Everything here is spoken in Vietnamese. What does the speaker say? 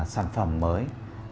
sản phẩm mới